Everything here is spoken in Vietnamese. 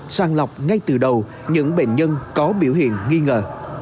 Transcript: sàng lọc ngay từ đầu những bệnh nhân có biểu hiện nghi ngờ